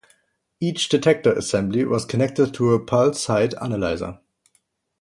Each detector assembly was connected to a pulse height analyzer.